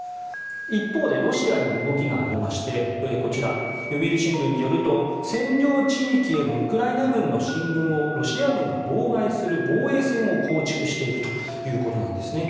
一方でロシアにも動きがありまして読売新聞によると占領地域へのウクライナ軍の進軍をロシア軍が妨害する防衛線を構築しているということです。